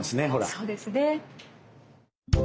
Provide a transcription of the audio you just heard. そうですね。